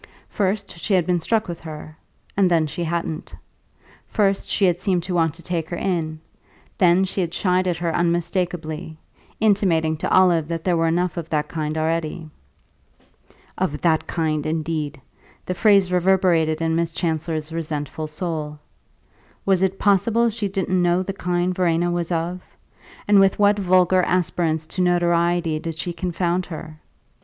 First she had been struck with her, and then she hadn't; first she had seemed to want to take her in, then she had shied at her unmistakably intimating to Olive that there were enough of that kind already. Of "that kind" indeed! the phrase reverberated in Miss Chancellor's resentful soul. Was it possible she didn't know the kind Verena was of, and with what vulgar aspirants to notoriety did she confound her?